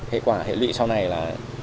hệ quả hệ lụy sau này là